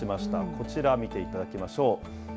こちら見ていただきましょう。